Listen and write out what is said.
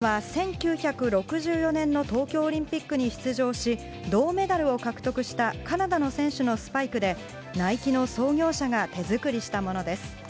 これは、１９６４年の東京オリンピックに出場し、銅メダルを獲得したカナダの選手のスパイクで、ナイキの創業者が手作りしたものです。